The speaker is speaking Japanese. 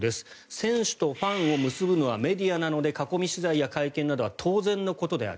選手とファンを結ぶのはメディアなので囲み取材や会見などは当然のことである。